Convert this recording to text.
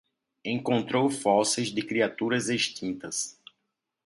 Encontrou fósseis de criaturas extintas